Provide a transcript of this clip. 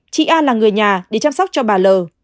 chị an là người nhà để chăm sóc cho bà l